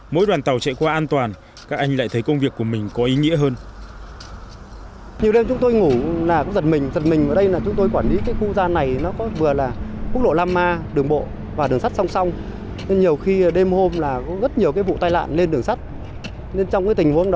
mỗi đoàn tàu chạy qua an toàn các anh lại thấy công việc của mình có ý nghĩa hơn